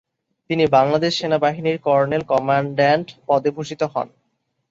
তিনি বাংলাদেশ সেনাবাহিনীর colonel commandant পদে ভূষিত হন।